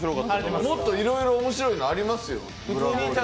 もっといろいろおもしろいのありますよ。